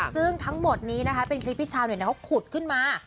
ซึ่งทั้งหมดนี้นะคะเป็นคลิปที่ชาวเน็ตเขาขุดขึ้นมา